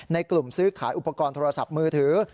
ในกลุ่มซื้อขายอุปกรณ์โทรศัพท์มือถือ